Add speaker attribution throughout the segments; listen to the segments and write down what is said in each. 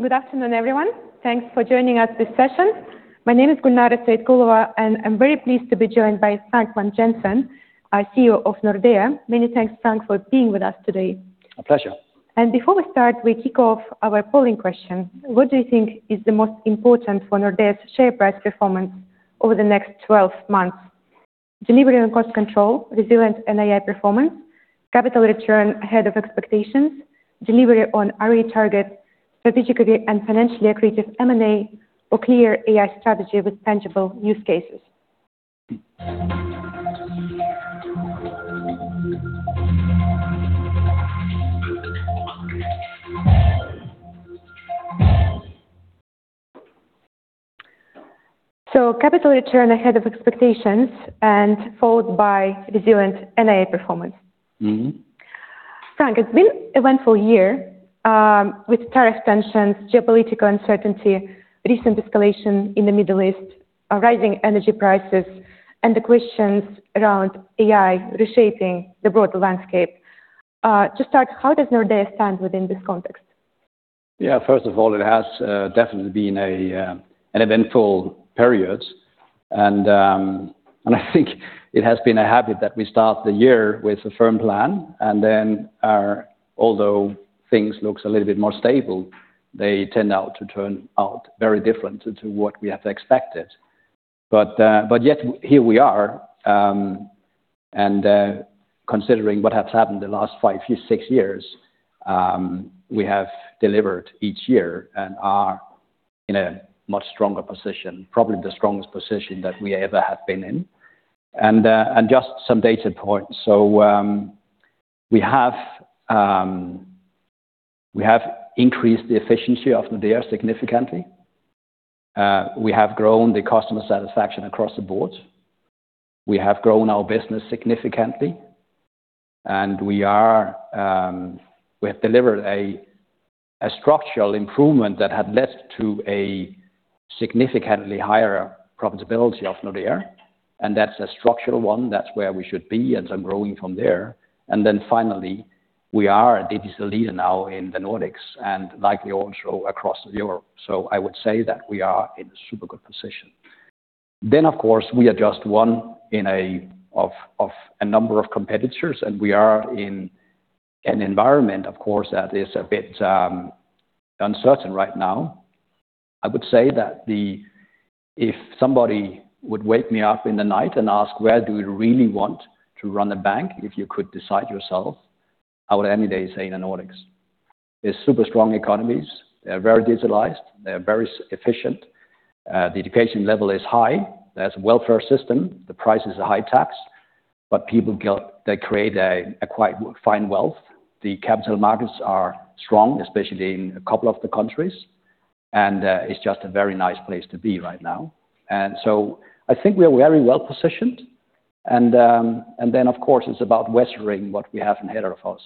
Speaker 1: Good afternoon, everyone. Thanks for joining us this session. My name is Gulnara Saitkulova, and I'm very pleased to be joined by Frank Vang-Jensen, our CEO of Nordea. Many thanks, Frank, for being with us today.
Speaker 2: A pleasure.
Speaker 1: Before we start, we kick off our polling question. What do you think is the most important for Nordea's share price performance over the next 12 months? delivery on cost control, resilient NII performance, capital return ahead of expectations, delivery on ROE targets, strategically and financially accretive M&A, or clear AI strategy with tangible use cases. Capital return ahead of expectations and followed by resilient NII performance.
Speaker 2: Mm-hmm.
Speaker 1: Frank Vang-Jensen, it's been an eventful year with tariff tensions, geopolitical uncertainty, recent escalation in the Middle East, rising energy prices, and the questions around AI reshaping the broader landscape. To start, how does Nordea stand within this context?
Speaker 2: Yeah, first of all, it has definitely been an eventful period. I think it has been a habit that we start the year with a firm plan, and then although things looks a little bit more stable, they tend now to turn out very different to what we have expected. Yet, here we are, considering what has happened the last five, six years, we have delivered each year and are in a much stronger position, probably the strongest position that we ever have been in. Just some data points. We have increased the efficiency of Nordea significantly. We have grown the customer satisfaction across the board. We have grown our business significantly, and we have delivered a structural improvement that had led to a significantly higher profitability of Nordea, and that's a structural one. That's where we should be, growing from there. Finally, we are a digital leader now in the Nordics and likely also across Europe. I would say that we are in a super good position. Of course, we are just one of a number of competitors, and we are in an environment, of course, that is a bit uncertain right now. I would say that if somebody would wake me up in the night and ask, "Where do you really want to run a bank, if you could decide yourself?" I would any day say in the Nordics. They're super strong economies. They're very digitalized. They're very efficient. The education level is high. There's welfare system. The prices are highly taxed, but they create a quite fine wealth. The capital markets are strong, especially in a couple of the countries, and it's just a very nice place to be right now. I think we are very well-positioned. Then, of course, it's about weathering what we have ahead of us.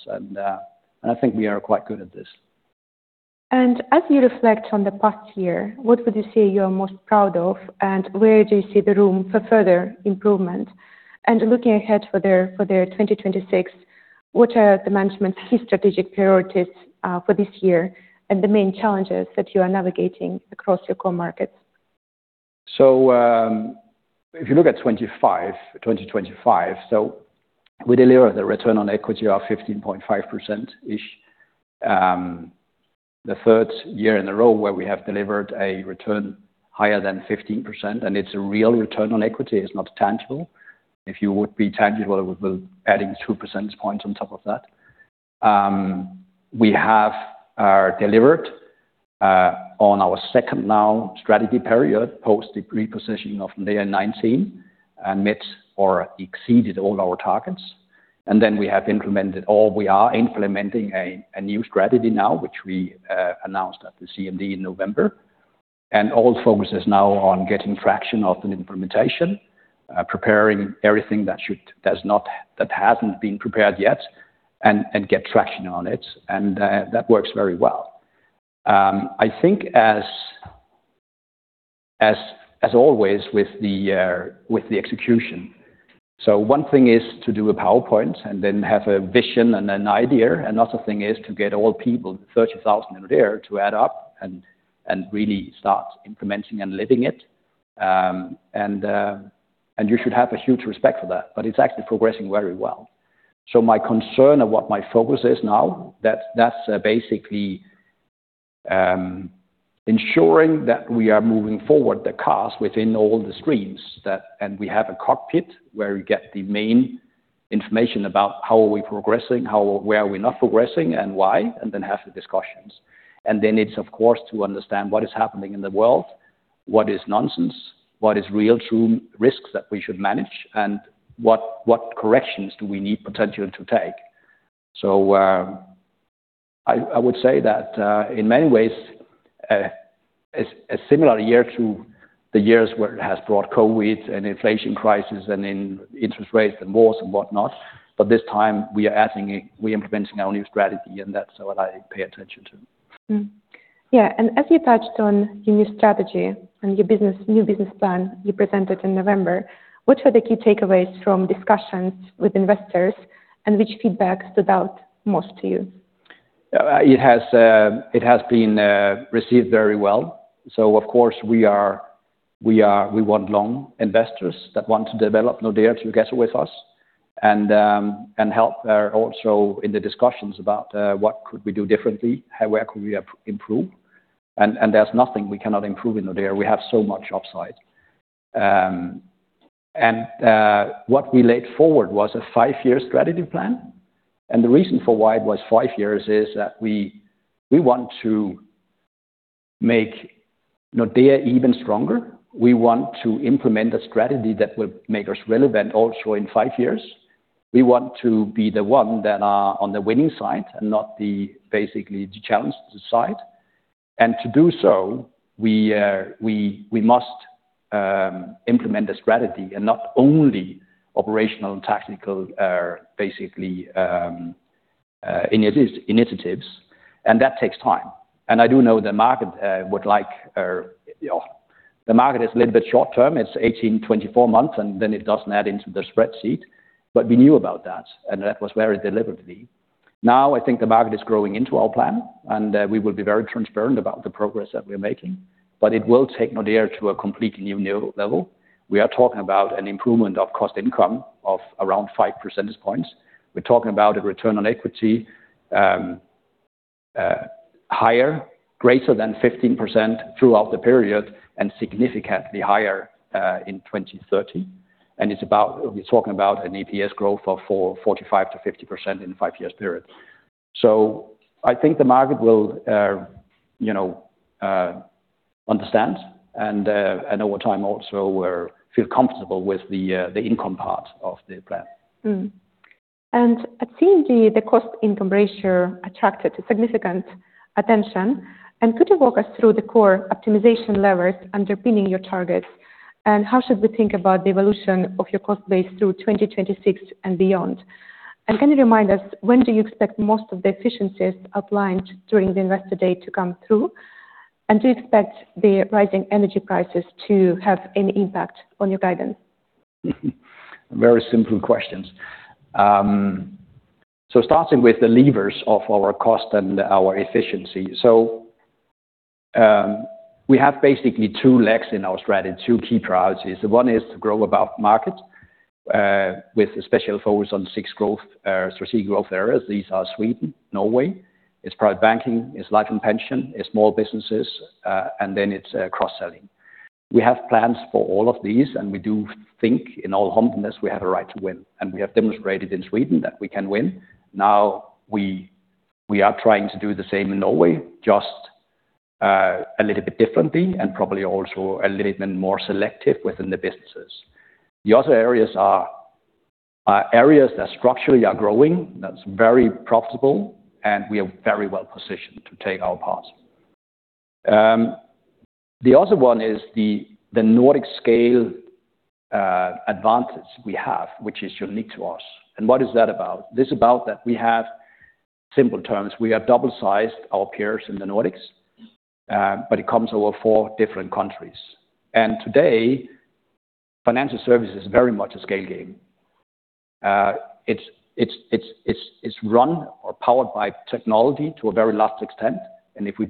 Speaker 2: I think we are quite good at this.
Speaker 1: As you reflect on the past year, what would you say you're most proud of, and where do you see the room for further improvement? Looking ahead further for the 2026, which are the management's key strategic priorities for this year and the main challenges that you are navigating across your core markets?
Speaker 2: If you look at 2025, we deliver the return on equity of 15.5%-ish. The third year in a row where we have delivered a return higher than 15%, and it's a real return on equity. It's not tangible. If you would be tangible, we'll add two percentage points on top of that. We have delivered on our second strategy period post the repositioning in 2019 and met or exceeded all our targets. Then we have implemented or we are implementing a new strategy now, which we announced at the CMD in November. All focus is now on getting traction on the implementation, preparing everything that hasn't been prepared yet and get traction on it. That works very well. I think as always with the execution. One thing is to do a PowerPoint and then have a vision and an idea. Another thing is to get all people, 30,000 in a year, to add up and really start implementing and living it. You should have a huge respect for that, but it's actually progressing very well. My concern and what my focus is now, that's basically ensuring that we are moving forward the task within all the streams. We have a cockpit where we get the main information about how are we progressing, how or where are we not progressing, and why, and then have the discussions. Then it's of course to understand what is happening in the world, what is nonsense, what is real true risks that we should manage, and what corrections do we need potentially to take. I would say that, in many ways, a similar year to the years where it has brought COVID and inflation crisis and in interest rates and wars and whatnot. This time we're implementing our new strategy, and that's what I pay attention to.
Speaker 1: As you touched on your new strategy and your new business plan you presented in November, what are the key takeaways from discussions with investors? Which feedback stood out most to you?
Speaker 2: It has been received very well. Of course, we want long investors that want to develop Nordea to get with us and help, also in the discussions about what could we do differently. Where could we have improve? There's nothing we cannot improve in Nordea. We have so much upside. What we laid forward was a five-year strategy plan. The reason for why it was five years is that we want to make Nordea even stronger. We want to implement a strategy that will make us relevant also in five years. We want to be the one that are on the winning side and not basically the challenged side. To do so, we must implement the strategy and not only operational and tactical, basically, initiatives. That takes time. I do know the market would like, you know. The market is a little bit short term. It's 18–24 months, and then it doesn't add into the spreadsheet. We knew about that, and that was very deliberately. Now, I think the market is growing into our plan, and we will be very transparent about the progress that we're making, but it will take Nordea to a completely new level. We are talking about an improvement of cost-to-income ratio of around five percentage points. We're talking about a return on equity higher, greater than 15% throughout the period and significantly higher in 2030. It's about. We're talking about an EPS growth of 45%-50% in five-year period. I think the market will, you know, understand and over time also will feel comfortable with the income part of the plan.
Speaker 1: It seems the cost-to-income ratio attracted significant attention. Could you walk us through the core optimization levers underpinning your targets? How should we think about the evolution of your cost base through 2026 and beyond? Can you remind us when do you expect most of the efficiencies outlined during the Investor Day to come through? Do you expect the rising energy prices to have any impact on your guidance?
Speaker 2: Very simple questions. Starting with the levers of our cost and our efficiency. We have basically two legs in our strategy, two key priorities. One is to grow above market, with a special focus on six growth, strategic growth areas. These are Sweden, Norway, Private Banking, Life and Pension, Small Business, and then, Cross-Selling. We have plans for all of these, and we do think in all humbleness we have a right to win. We have demonstrated in Sweden that we can win. Now, we are trying to do the same in Norway, just, a little bit differently and probably also a little bit more selective within the businesses. The other areas are areas that structurally are growing, that's very profitable, and we are very well-positioned to take our part. The other one is the Nordic scale advantage we have, which is unique to us. What is that about? This is about that we have simple terms. We have doubled the size of our peers in the Nordics, but it is over four different countries. Today, financial services is very much a scale game. It's run or powered by technology to a very large extent. As we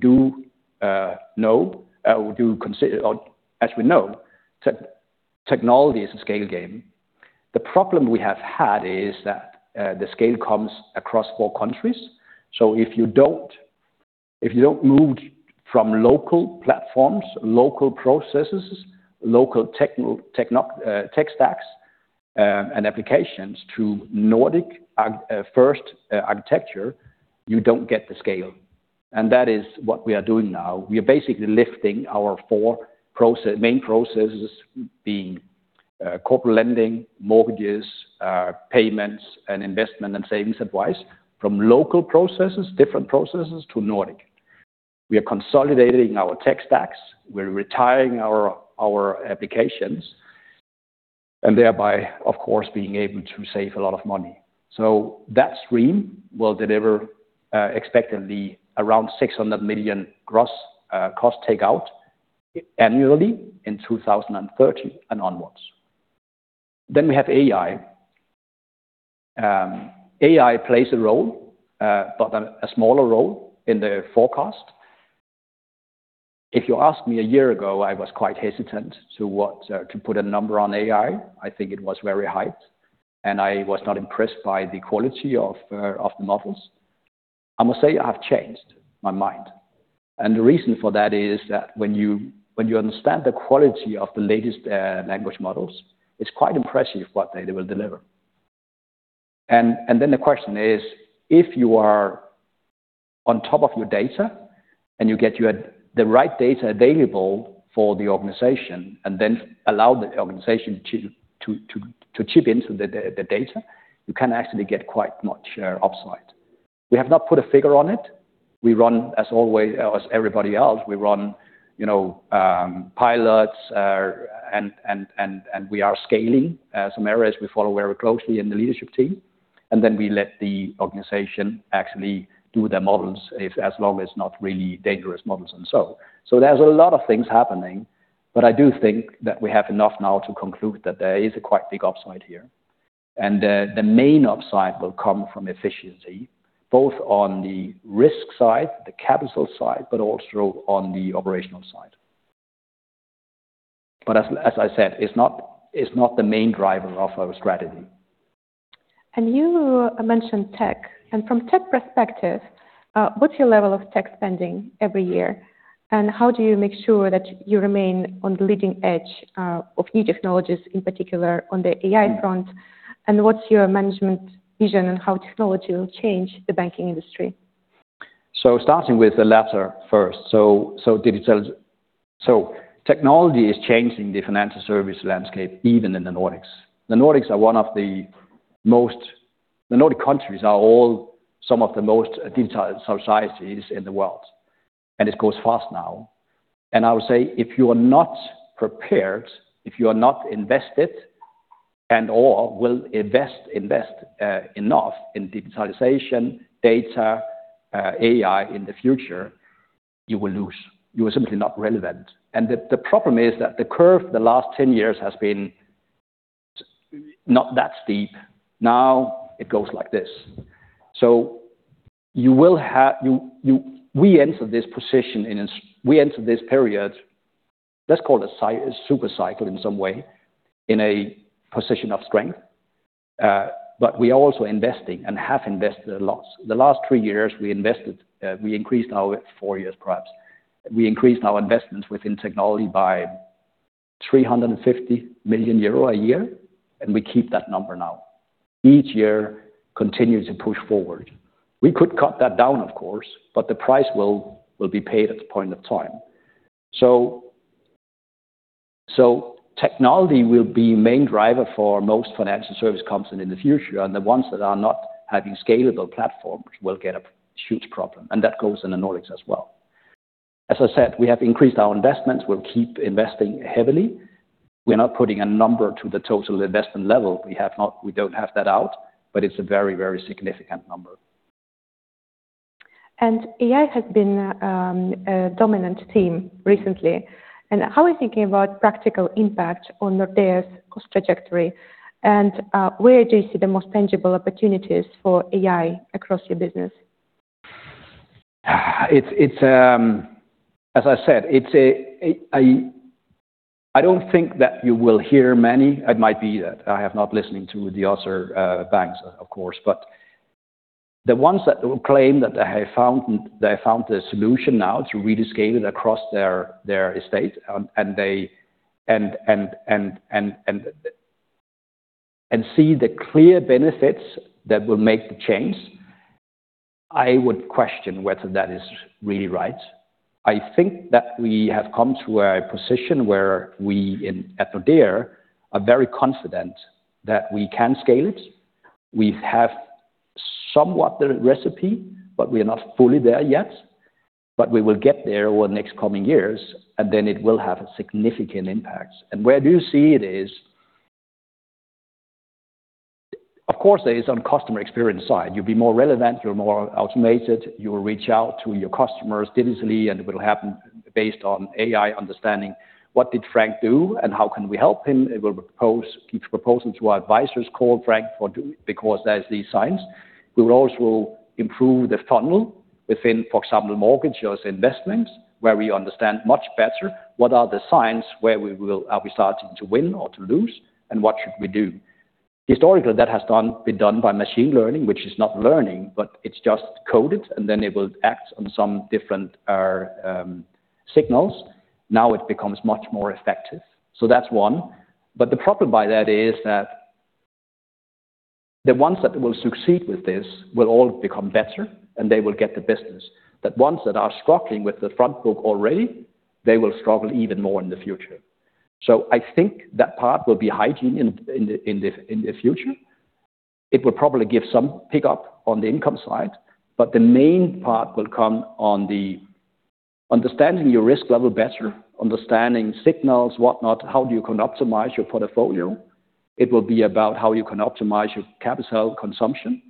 Speaker 2: know, technology is a scale game. The problem we have had is that the scale comes across four countries. If you don't move from local platforms, local processes, local tech stacks, and applications to Nordic-first architecture, you don't get the scale. That is what we are doing now. We are basically lifting our main processes being Corporate Lending, Mortgage, Payment, and Investments and Savings Advice from local processes, different processes to Nordic. We are consolidating our tech stacks. We're retiring our applications, and thereby, of course, being able to save a lot of money. That stream will deliver expectedly around 600 million gross cost takeout, annually, in 2030, and onwards. We have AI. AI plays a role but a smaller role in the forecast. If you ask me a year ago, I was quite hesitant to what to put a number on AI. I think it was very hyped, and I was not impressed by the quality of the models. I must say I've changed my mind. The reason for that is that when you understand the quality of the latest language models, it's quite impressive what they will deliver. Then the question is, if you are on top of your data and you get the right data available for the organization, and then allow the organization to chip into the data, you can actually get quite much upside. We have not put a figure on it. We run as always, as everybody else. We run, you know, pilots, and we are scaling some areas, we follow very closely in the leadership team. Then we let the organization actually do their models if as long as not really dangerous models and so. There's a lot of things happening. But I do think that we have enough now to conclude that there is a quite big upside here, and the main upside will come from efficiency, both on the risk side, the capital side, but also on the operational side. But as I said, it's not the main driver of our strategy.
Speaker 1: You mentioned tech. From tech perspective, what's your level of tech spending every year? How do you make sure that you remain on the leading edge of new technologies, in particular on the AI front? What's your management vision on how technology will change the banking industry?
Speaker 2: Starting with the latter first. Technology is changing the financial service landscape, even in the Nordics. The Nordic countries are all some of the most digital societies in the world, and it goes fast now. I would say, if you are not prepared, if you are not invested and/or will invest enough in digitalization, data, AI in the future, you will lose. You are simply not relevant. The problem is that the curve the last 10 years has been not that steep. Now, it goes like this. We enter this period, let's call it a super cycle in some way, in a position of strength. We are also investing and have invested a lot. The last three years, we invested, four years, perhaps. We increased our investments within technology by 350 million euro a year, and we keep that number now. Each year continues to push forward. We could cut that down, of course, but the price will be paid at the point of time. Technology will be main driver for most financial services companies in the future, and the ones that are not having scalable platforms will get a huge problem, and that goes in the Nordics as well. As I said, we have increased our investments. We'll keep investing heavily. We're not putting a number to the total investment level. We don't have that out, but it's a very significant number.
Speaker 1: AI has been a dominant theme, recently. How are you thinking about practical impact on Nordea's cost trajectory? Where do you see the most tangible opportunities for AI across your business?
Speaker 2: It's. As I said, it's. I don't think that you will hear many. It might be that I have not listening to the other banks, of course. The ones that will claim that they have found the solution now to really scale it across their estate and they, and see the clear benefits that will make the change, I would question whether that is really right. I think that we have come to a position where we at Nordea are very confident that we can scale it. We have somewhat the recipe, but we are not fully there yet, but we will get there over the next coming years, and then it will have significant impacts. Where do you see it is. Of course, it is on customer experience side. You'll be more relevant. You're more automated. You will reach out to your customers digitally, and it will happen based on AI understanding what did Frank do and how can we help him. It will keep proposing to our advisors, call Frank because there's these signs. We will also improve the funnel within, for example, mortgages, investments, where we understand much better what are the signs where we are starting to win or to lose and what should we do. Historically, that has been done by machine learning, which is not learning, but it's just coded, and then it will act on some different signals. Now it becomes much more effective. That's one. The problem by that is that, the ones that will succeed with this will all become better, and they will get the business. The ones that are struggling with the front book already, they will struggle even more in the future. I think that part will be hygiene in the future. It will probably give some pickup on the income side, but the main part will come on the understanding your risk level better, understanding signals, whatnot, how you can optimize your portfolio. It will be about how you can optimize your capital consumption.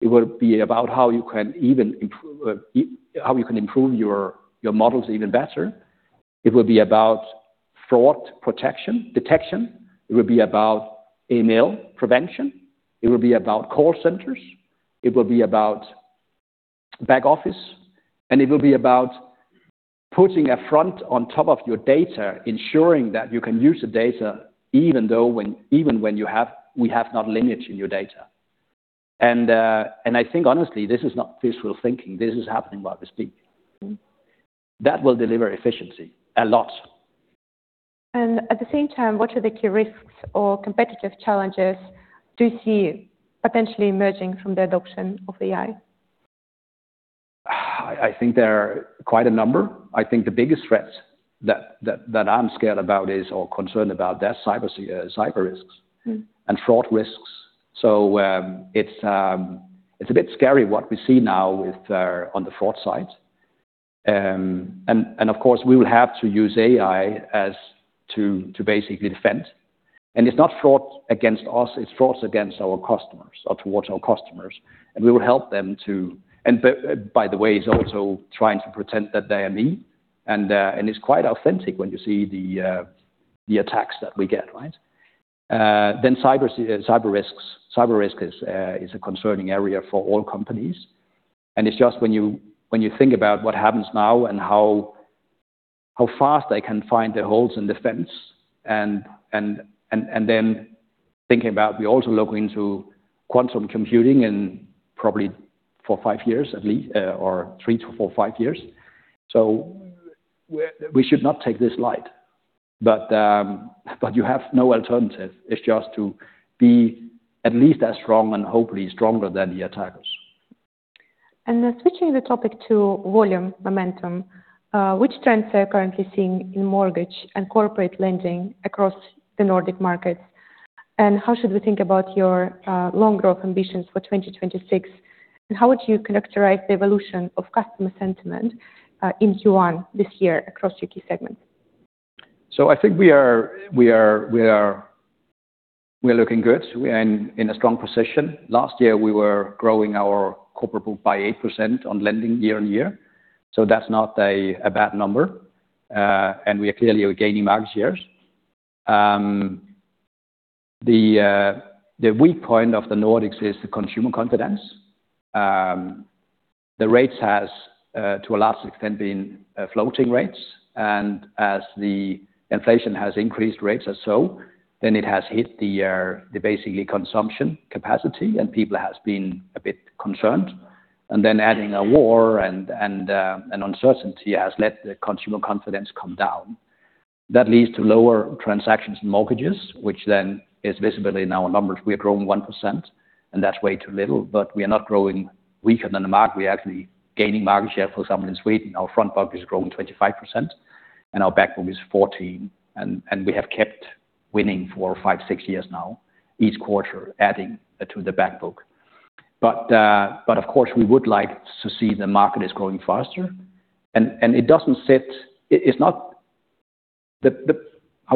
Speaker 2: It will be about how you can improve your models even better. It will be about fraud protection, detection. It will be about email prevention. It will be about call centers. It will be about back office, and it will be about putting a front on top of your data, ensuring that you can use the data even when we have no lineage in your data. I think, honestly, this is not wishful thinking. This is happening while we speak. That will deliver efficiency, a lot.
Speaker 1: At the same time, what are the key risks or competitive challenges do you see potentially emerging from the adoption of AI?
Speaker 2: I think there are quite a number. I think the biggest threat that I'm scared about is, or concerned about, are cyber risks and fraud risks. It's a bit scary what we see now with on the fraud side. Of course, we will have to use AI as, to basically defend. It's not fraud against us, it's fraud against our customers or towards our customers, and we will help them to—by the way, it's also trying to pretend that they are me, and it's quite authentic when you see the attacks that we get, right? Cyber risks. Cyber risk is a concerning area for all companies. It's just when you think about what happens now and how fast they can find the holes in the fence and then thinking about we're also looking into quantum computing in probably four or five years at least, or three to four or five years. We should not take this lightly. You have no alternative. It's just to be at least as strong and hopefully stronger than the attackers.
Speaker 1: Switching the topic to volume momentum, which trends are you currently seeing in mortgage and corporate lending across the Nordic markets? How should we think about your long-term growth ambitions for 2026? How would you characterize the evolution of customer sentiment in Q1 this year across your key segments?
Speaker 2: I think we are looking good. We are in a strong position. Last year, we were growing our corporate book by 8% on lending year-on-year, so that's not a bad number. We are clearly gaining market shares. The weak point of the Nordics is the consumer confidence. The rates has to a large extent been floating rates, and as the inflation has increased, rates also, then it has hit the basically consumption capacity, and people has been a bit concerned. Then adding a war, and an uncertainty has led the consumer confidence come down. That leads to lower transactions in mortgages, which then is visible in our numbers. We are growing 1%, and that's way too little, but we are not growing weaker than the market. We are actually gaining market share. For example, in Sweden, our front book is growing 25% and our back book is 14%, and we have kept winning for five, six years now, each quarter adding to the back book. Of course, we would like to see the market is growing faster. How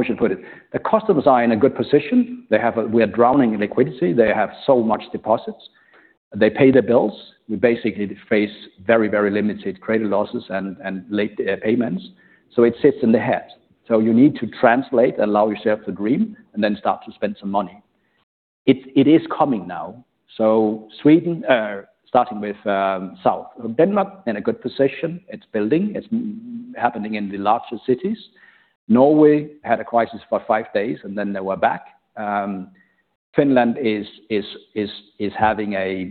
Speaker 2: should I put it? The customers are in a good position. We are drowning in liquidity. They have so much deposits. They pay their bills. We basically face very, very limited credit losses and late payments, so it sits in the head. You need to translate and allow yourself to dream and then start to spend some money. It is coming now. Sweden, starting with south. Denmark, in a good position. It's building. It's happening in the larger cities. Norway had a crisis for five days, and then they were back. Finland is having a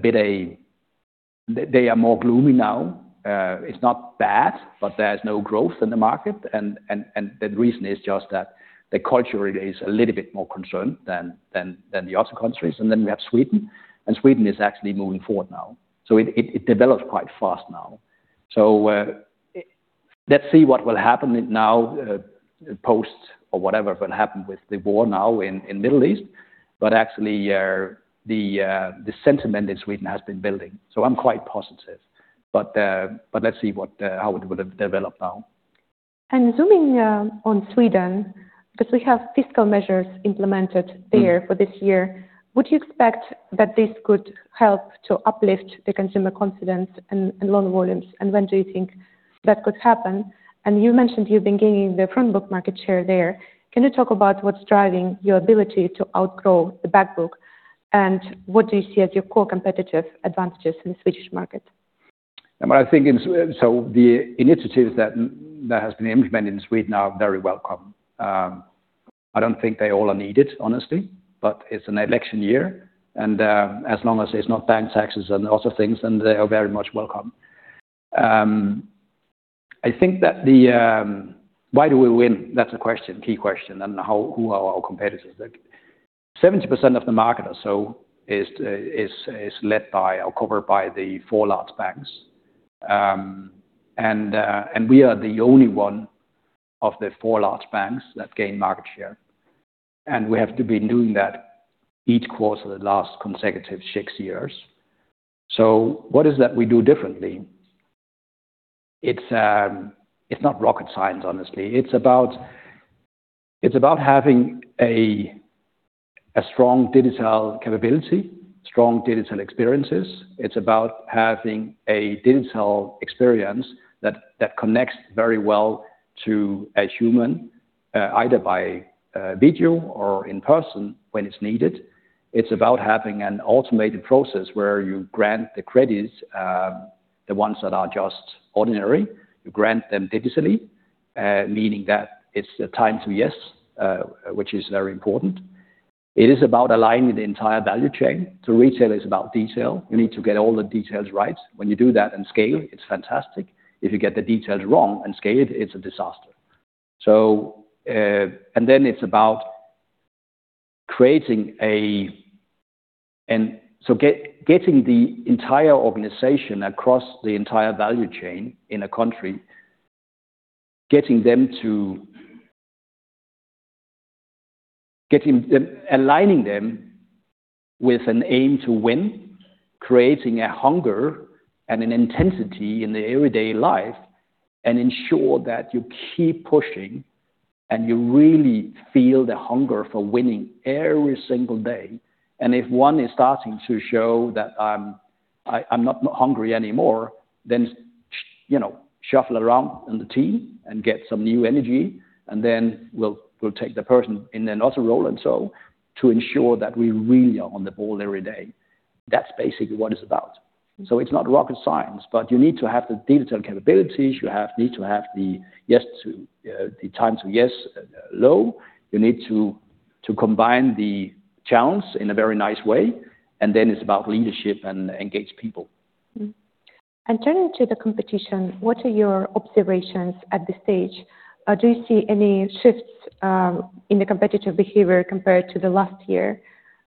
Speaker 2: bit, they are more gloomy now. It's not bad, but there's no growth in the market and the reason is just that the culture is a little bit more concerned than the other countries. Then we have Sweden, and Sweden is actually moving forward now. It develops quite fast now. Let's see what will happen now, post or whatever will happen with the war now in Middle East. Actually, the sentiment in Sweden has been building. I'm quite positive. Let's see how it would have developed now.
Speaker 1: Zooming on Sweden, because we have fiscal measures implemented there for this year, would you expect that this could help to uplift the consumer confidence and loan volumes? When do you think that could happen? You mentioned you've been gaining the front book market share there. Can you talk about what's driving your ability to outgrow the back book? What do you see as your core competitive advantages in the Swedish market?
Speaker 2: The initiatives that has been implemented in Sweden are very welcome. I don't think they all are needed, honestly, but it's an election year, and as long as it's not bank taxes and other things, then they are very much welcome. I think that the, why do we win? That's the key question. Who are our competitors? 70% of the market or so is led by or covered by the four large banks. We are the only one of the four large banks that gain market share, and we have to be doing that each quarter the last consecutive six years. What is that we do differently? It's not rocket science, honestly. It's about having a strong digital capability, strong digital experiences. It's about having a digital experience that connects very well to a human, either by video or in person when it's needed. It's about having an automated process where you grant the credits, the ones that are just ordinary. You grant them digitally, meaning that it's a time to yes, which is very important. It is about aligning the entire value chain, to retail is about detail. You need to get all the details right. When you do that in scale, it's fantastic. If you get the details wrong in scale, it's a disaster. It's about creating getting the entire organization across the entire value chain in a country, getting them to, aligning them with an aim to win, creating a hunger and an intensity in the everyday life, and ensure that you keep pushing, and you really feel the hunger for winning every single day. If one is starting to show that I'm not hungry anymore, then, you know, shuffle around in the team and get some new energy, and then we'll take the person in another role and so, to ensure that we really are on the ball every day. That's basically what it's about. It's not rocket science, but you need to have the digital capabilities. You need to have the yes to, the time to yes, low. You need to combine the talents in a very nice way, and then it's about leadership and engage people.
Speaker 1: Mm-hmm. Turning to the competition, what are your observations at this stage? Do you see any shifts in the competitive behavior compared to the last year?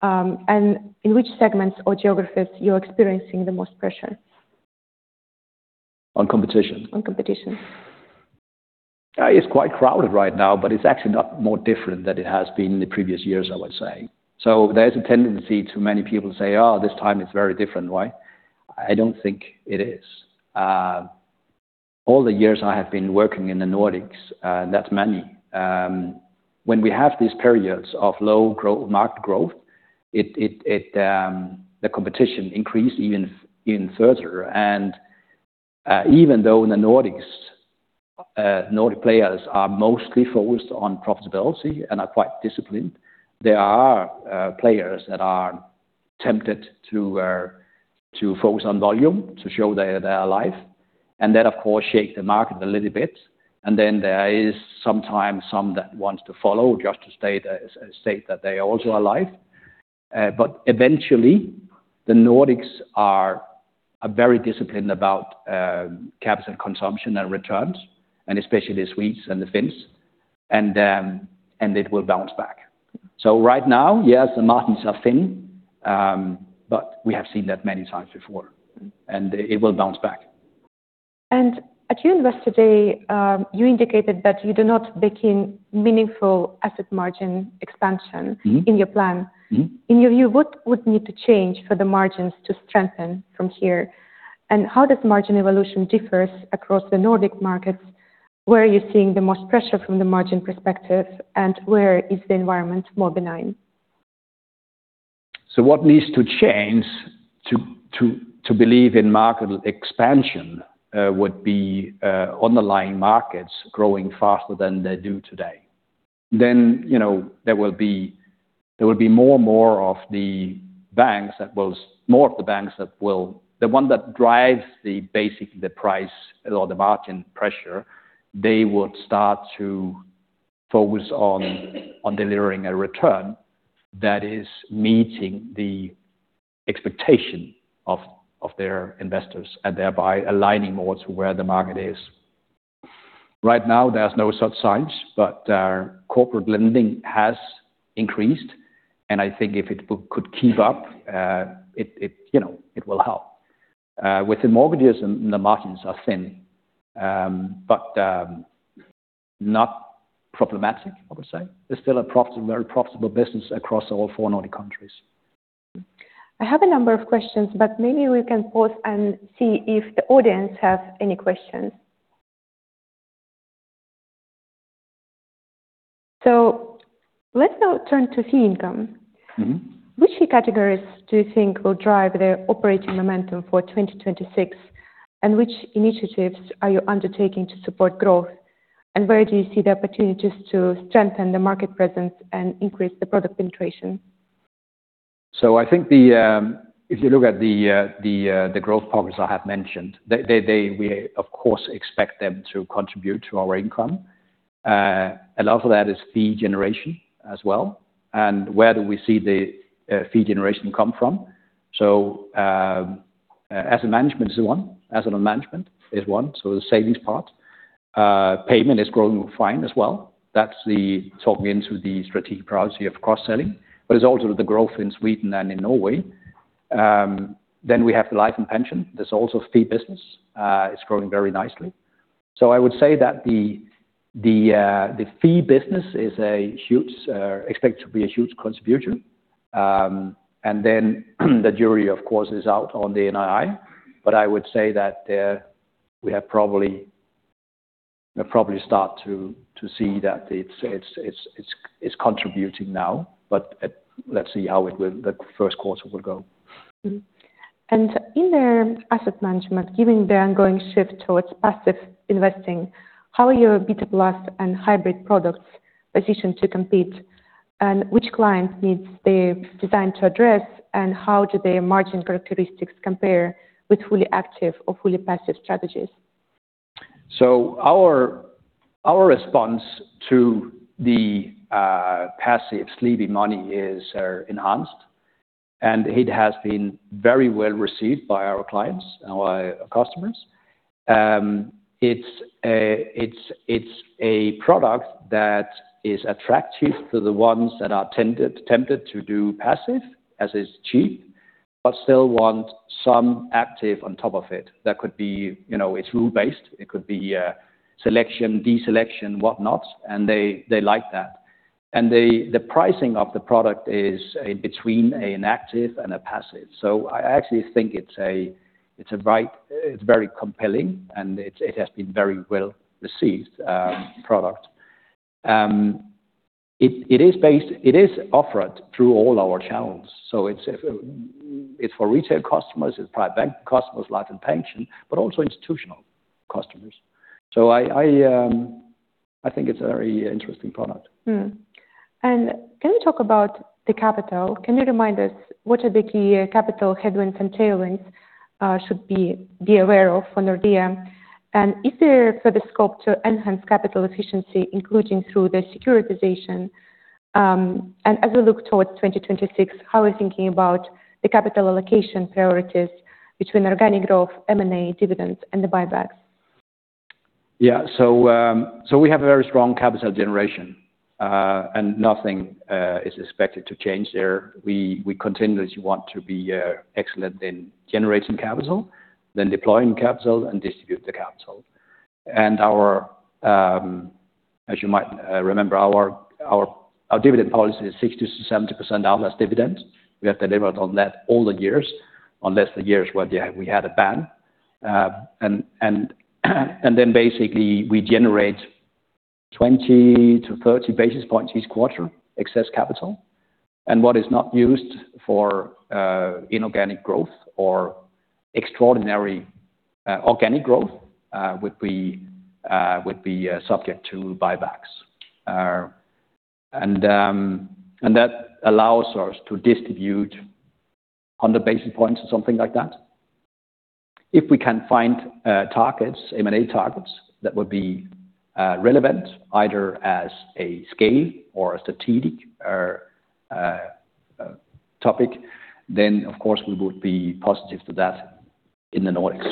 Speaker 1: In which segments or geographies you're experiencing the most pressure?
Speaker 2: On competition?
Speaker 1: On competition.
Speaker 2: It's quite crowded right now, but it's actually not more different than it has been in the previous years, I would say. There's a tendency to many people say, "Oh, this time it's very different." Why? I don't think it is. All the years I have been working in the Nordics, that's many. When we have these periods of low growth market growth, the competition increased even further. Even though in the Nordics, Nordic players are mostly focused on profitability and are quite disciplined, there are players that are tempted to focus on volume to show they're alive, and that of course shake the market a little bit. Then there is sometimes some that wants to follow just to state that they also are alive. Eventually, the Nordics are very disciplined about capital consumption and returns, and especially the Swedes and the Finns, and it will bounce back. Right now, yes, the margins are thin, but we have seen that many times before, and it will bounce back.
Speaker 1: At your Investor Day today, you indicated that you do not begin meaningful asset margin expansion in your plan. In your view, what would need to change for the margins to strengthen from here? And how does margin evolution differs across the Nordic markets? Where are you seeing the most pressure from the margin perspective, and where is the environment more benign?
Speaker 2: What needs to change to believe in market expansion would be underlying markets growing faster than they do today. You know, there will be more and more of the banks that will, the ones that basically drive the price or the margin pressure. They would start to focus on delivering a return that is meeting the expectation of their investors and thereby aligning more to where the market is. Right now, there's no such signs, but corporate lending has increased, and I think if it could keep up, it will help. Within mortgages, the margins are thin, but not problematic, I would say. They're still a very profitable business across all four Nordic countries.
Speaker 1: I have a number of questions, but maybe we can pause and see if the audience have any questions. Let's now turn to fee income. Which key categories do you think will drive the operating momentum for 2026? Which initiatives are you undertaking to support growth? Where do you see the opportunities to strengthen the market presence and increase the product penetration?
Speaker 2: I think, if you look at the growth progress I have mentioned, we of course, expect them to contribute to our income. A lot of that is fee generation as well. Where do we see the fee generation come from? Asset Management is one, so the Savings part. Payment is growing fine as well. That's tied to the strategic priority of Cross-Selling. It's also the growth in Sweden and in Norway. We have Life and Pension. There's also Fee Business. It's growing very nicely. I would say that the Fee Business is expected to be a huge contribution. The jury, of course, is out on the NII. I would say that we have probably started to see that it's contributing now, but let's see how the first quarter will go.
Speaker 1: In the Asset Management, given the ongoing shift towards passive investing, how are your beta plus and hybrid products positioned to compete? Which client needs they're designed to address? How do their margin characteristics compare with fully active or fully passive strategies?
Speaker 2: Our response to the passive sleepy money is Enhanced, and it has been very well received by our clients, our customers. It's a product that is attractive to the ones that are tempted to do passive, as it's cheap, but still want some active on top of it. That could be, you know, it's rule-based, it could be selection, deselection, whatnot, and they like that. The pricing of the product is between an active and a passive. I actually think it's very compelling, and it has been very well-received, product. It is offered through all our channels, so it's for retail customers, it's private bank customers, life and pension, but also institutional customers. I think it's a very interesting product.
Speaker 1: Can you talk about the capital? Can you remind us what are the key capital headwinds and tailwinds we should be aware of for Nordea? Is there further scope to enhance capital efficiency, including through the securitization? As we look towards 2026, how are you thinking about the capital allocation priorities between organic growth, M&A, dividends, and the buybacks?
Speaker 2: Yeah. We have a very strong capital generation, and nothing is expected to change there. We continuously want to be excellent in generating capital, then deploying capital, and distribute the capital. As you might remember, our dividend policy is 60%-70% out as dividends. We have delivered on that all the years, unless the years where we had a ban. Then basically we generate 20–30 basis points each quarter excess capital. What is not used for inorganic growth or extraordinary organic growth would be subject to buybacks. That allows us to distribute on the basis points or something like that. If we can find targets, M&A targets that would be relevant, either as a scale, or a strategic, or topic, then of course, we would be positive to that in the Nordics.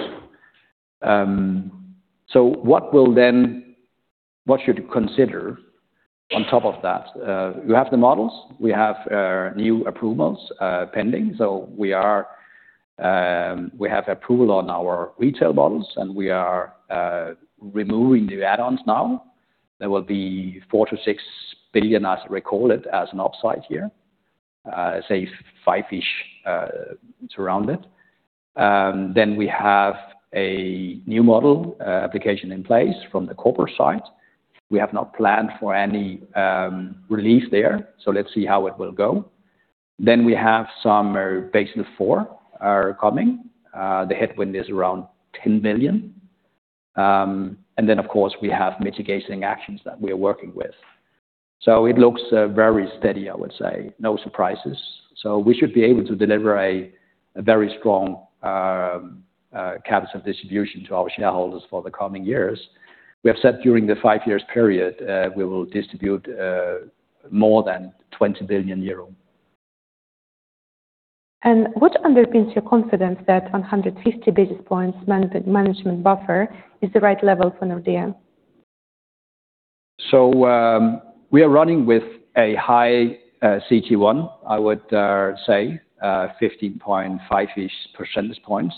Speaker 2: What we should consider on top of that? You have the models. We have new approvals pending. We have approval on our retail models, and we are removing the add-ons now. There will be 4 billion-6 billion recorded as an upside here, say 5-ish, around it. We have a new model application in place from the corporate side. We have not planned for any relief there, so let's see how it will go. We have some, Basel IV are coming. The headwind is around 10 billion. Of course, we have mitigating actions that we are working with. It looks very steady, I would say. No surprises. We should be able to deliver a very strong capital distribution to our shareholders for the coming years. We have said during the five-year period, we will distribute more than 20 billion euro.
Speaker 1: What underpins your confidence that 150 basis points management buffer is the right level for Nordea?
Speaker 2: We are running with a high CET1, I would say 15.5-ish percentage points.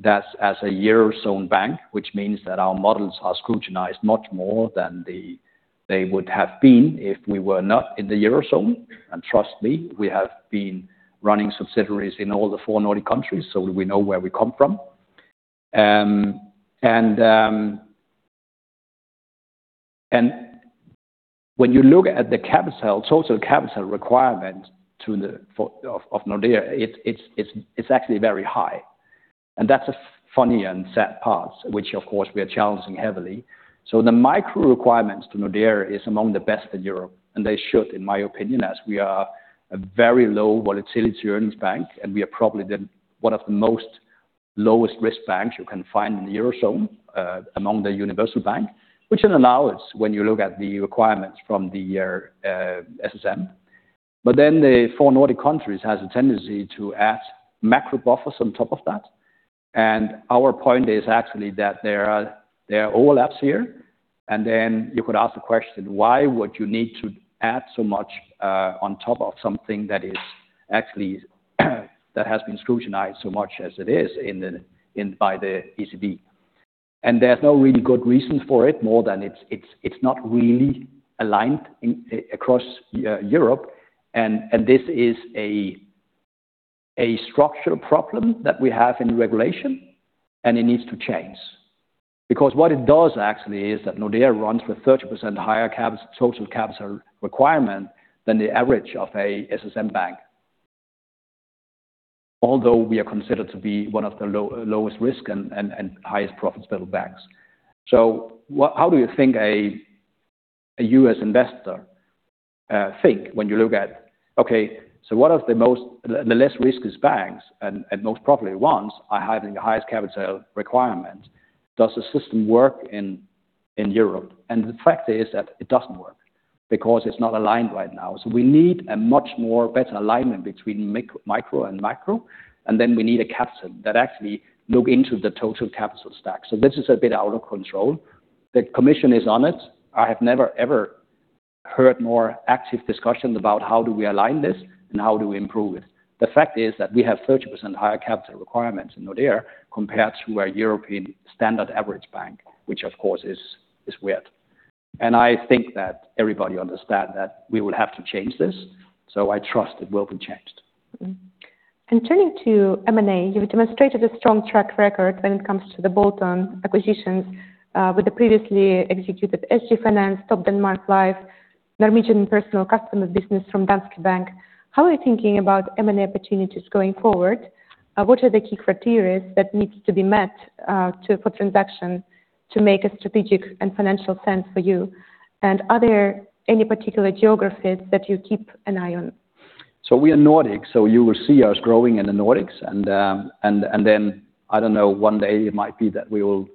Speaker 2: That's as a Eurozone bank, which means that our models are scrutinized much more than they would have been, if we were not in the Eurozone. Trust me, we have been running subsidiaries in all the four Nordic countries, so we know where we come from. When you look at the total capital requirement of Nordea, it's actually very high. That's a funny and sad part, which of course we are challenging heavily. The micro requirements to Nordea is among the best in Europe, and they should, in my opinion, as we are a very low volatility earnings bank. We are probably one of the most lowest risk banks you can find in the Eurozone, among the universal bank, which it allow us when you look at the requirements from the SSM. The four Nordic countries has a tendency to add macro buffers on top of that. Our point is actually that there are overlaps here. You could ask the question, why would you need to add so much on top of something that has been scrutinized so much as it is by the ECB. There's no really good reason for it more than it's not really aligned across Europe. This is a structural problem that we have in regulation, and it needs to change. Because what it does actually is that, Nordea runs with 30% higher total capital requirement than the average of a SSM bank. Although we are considered to be one of the lowest risk and highest profitable banks. How do you think a U.S. investor think when you look at what are the most the less riskiest banks and most profitable ones are having the highest capital requirement? Does the system work in Europe? The fact is, that it doesn't work because it's not aligned right now. We need a much more better alignment between micro and macro, and then we need a capital that actually look into the total capital stack. This is a bit out of control. The commission is on it. I have never, ever heard more active discussion about how do we align this and how do we improve it. The fact is, that we have 30% higher capital requirements in Nordea compared to a European standard average bank, which of course, is weird. I think that everybody understand that we will have to change this, so I trust it will be changed.
Speaker 1: Turning to M&A, you've demonstrated a strong track record when it comes to the bolt-on acquisitions, with the previously executed SG Finans, Topdanmark Livsforsikring, Norwegian personal customer business from Danske Bank. How are you thinking about M&A opportunities going forward? What are the key criteria that needs to be met for transaction to make a strategic and financial sense for you? Are there any particular geographies that you keep an eye on?
Speaker 2: We are Nordics, so you will see us growing in the Nordics. I don't know, one day it might be that we will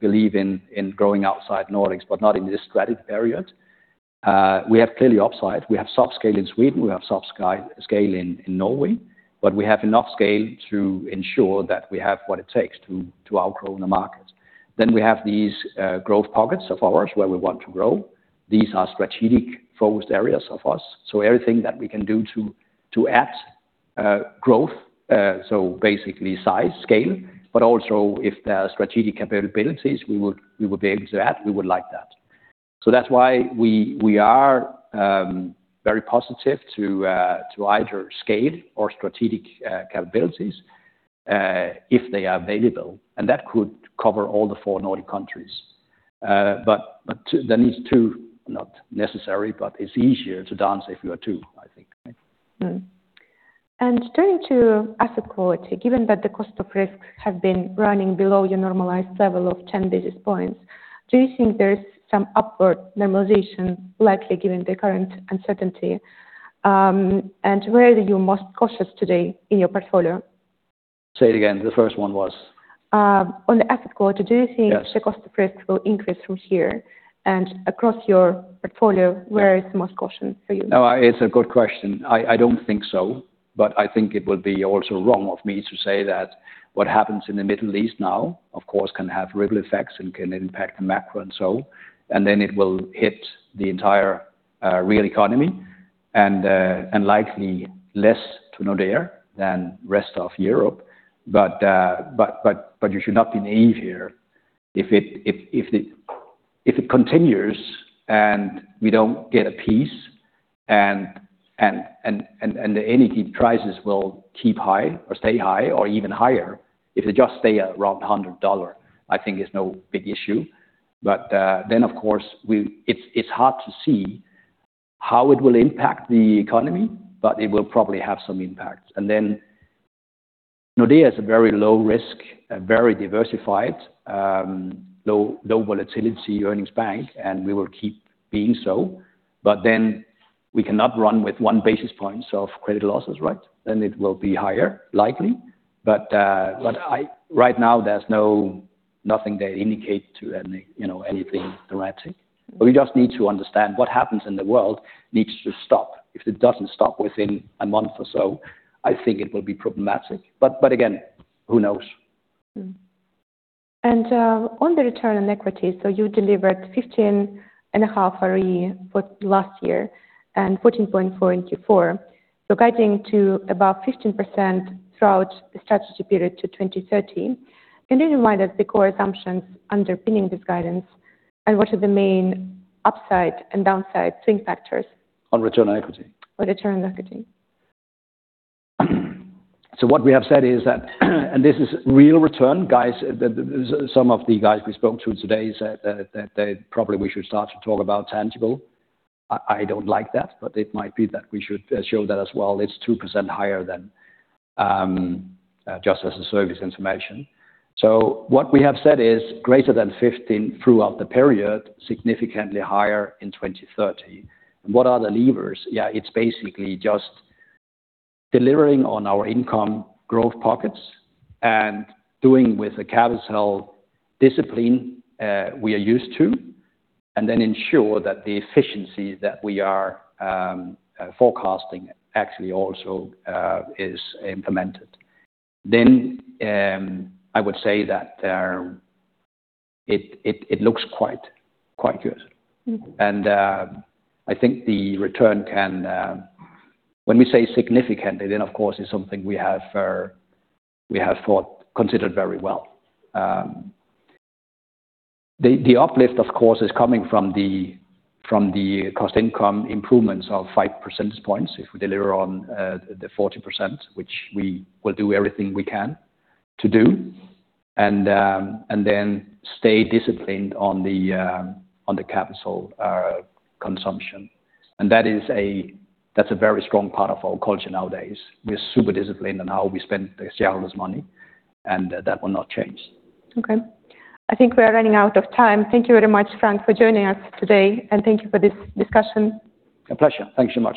Speaker 2: believe in growing outside Nordics, but not in this [strategy] period. We have clearly, upside. We have soft scale in Sweden, we have soft scale in Norway, but we have enough scale to ensure that we have what it takes to outgrow the market. We have these growth pockets of ours where we want to grow. These are strategic focused areas of us. Everything that we can do to add growth, so basically size, scale, but also if there are strategic capabilities we would be able to add, we would like that. That's why we are very positive to either scale or strategic capabilities if they are available, and that could cover all the four Nordic countries. But that needs to not necessary, but it's easier to dance if you are two, I think.
Speaker 1: Turning to asset quality, given that the cost of risk have been running below your normalized level of 10 basis points, do you think there is some upward normalization likely, given the current uncertainty? Where are you most cautious today in your portfolio?
Speaker 2: Say it again. The first one was?
Speaker 1: On the asset quality, do you think?
Speaker 2: Yes.
Speaker 1: Will the cost of risk increase from here? Across your portfolio, where is the most caution for you?
Speaker 2: No, it's a good question. I don't think so, but I think it would be also wrong of me to say that what happens in the Middle East now, of course, can have ripple effects and can impact the macro and so, and then it will hit the entire real economy and likely less to Nordea than rest of Europe. You should not be naive here. If it continues and we don't get a peace and the energy prices will keep high or stay high or even higher, if they just stay at around $100, I think it's no big issue. Then of course, it's hard to see, how it will impact the economy, but it will probably have some impact. Nordea is a very low risk, a very diversified, low volatility earnings bank, and we will keep being so. We cannot run with one basis points of credit losses, right? It will be higher, likely. Right now there's nothing that indicate to any, you know, anything dramatic. We just need to understand what happens in the world needs to stop. If it doesn't stop within a month or so, I think it will be problematic. But again, who knows?
Speaker 1: On the return on equity, so you delivered 15.5% ROE for last year and 14.4%:in Q4. You're guiding to about 15% throughout the strategy period to 2030. Can you remind us the core assumptions underpinning this guidance, and what are the main upside and downside swing factors?
Speaker 2: On return on equity?
Speaker 1: On return on equity.
Speaker 2: What we have said is that, and this is real return, guys. Some of the guys we spoke to today said that they probably we should start to talk about tangible. I don't like that, but it might be that we should show that as well. It's 2% higher than just as a service information. What we have said is greater than 15% throughout the period, significantly higher in 2030. What are the levers? Yeah, it's basically just delivering on our income growth pockets and doing with the capital discipline we are used to, and then ensure that the efficiency that we are forecasting actually also is implemented. I would say that it looks quite good. I think the return can. When we say significantly, then of course, it's something we have thought considered very well. The uplift, of course, is coming from the cost-to-income ratio improvements of five percentage points, if we deliver on the 40%, which we will do everything we can, to do, and then stay disciplined on the capital consumption. That's a very strong part of our culture nowadays. We're super disciplined on how we spend the shareholders' money, and that will not change.
Speaker 1: Okay. I think we are running out of time. Thank you very much, Frank, for joining us today, and thank you for this discussion.
Speaker 2: A pleasure. Thank you so much.